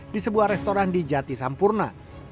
di sebuah restoran di jati sampurna